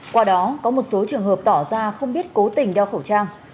qua đó có một số trường hợp tỏ ra không biết cố tình đeo khẩu trang